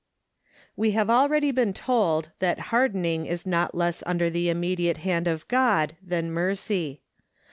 We have already been told that hardening is not less under the immediate hand of God than mercy.